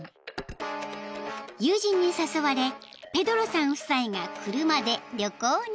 ［友人に誘われペドロさん夫妻が車で旅行に］